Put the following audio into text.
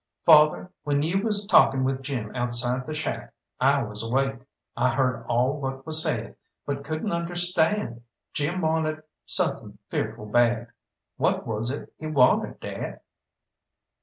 "Father when you was talking with Jim outside the shack I was awake; I heard all what was said, but couldn't understand. Jim wanted suthin' fearful bad. What was it he wanted, dad?"